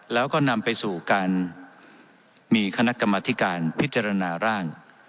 แล้วก็นำไปสู่การมีคณะกรรมธิการพิจารณาร่าง